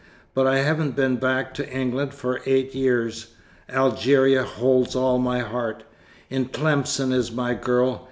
But I haven't been back to England for eight years. Algeria holds all my heart. In Tlemcen is my girl.